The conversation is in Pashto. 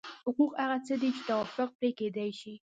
حقوق هغه څه دي چې توافق پرې کېدای شي.